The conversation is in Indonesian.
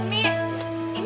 umi abah umi